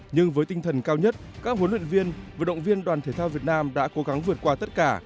nhưng với tinh thần cao nhất các huấn luyện viên vận động viên đoàn thể thao việt nam đã cố gắng vượt qua tất cả